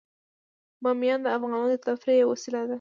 بامیان د افغانانو د تفریح یوه وسیله ده.